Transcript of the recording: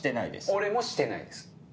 俺もしてないです